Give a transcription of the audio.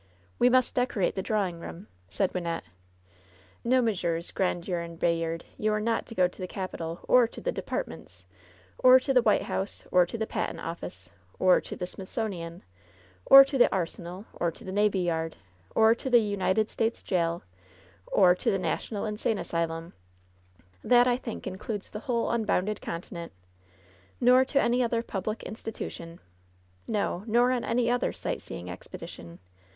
"We must decorate the drawing room," said Wyn nette. "No, Messrs. Grandiere and Bayard, you are not to go to the capitol, or the departments, or to the White LOVE'S BITTEREST CUP 79 House^ or to the patent office, or to the Smithsonian, or to the arsenal, or to the Navy Yard, or to the United States jail, or to the National Insane Asylum — ^that, I think, includes ^the whole unbounded continent^ — nor to any other public institution ; no, nor on any other sight seeing expedition.